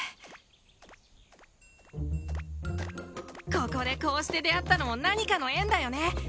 ここでこうして出会ったのも何かの縁だよね